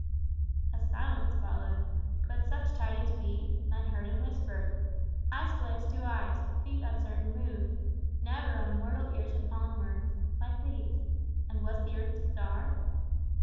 _" A silence followed. Could such tidings be? Men heard and whispered, Eyes glanced to eyes, feet uncertain moved, Never on mortal ears had fallen words Like these. And was the earth a star?